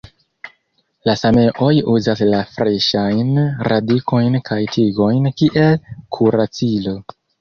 La sameoj uzas la freŝajn radikojn kaj tigojn kiel kuracilo.